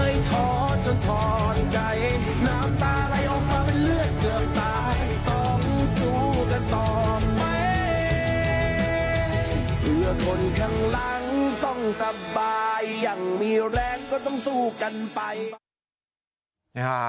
อย่างมีแรงก็ต้องสู้กันไป